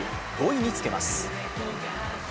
５位につけます。